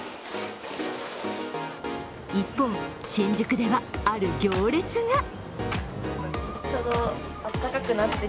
一方、新宿ではある行列が。